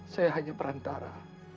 saya hanya perantara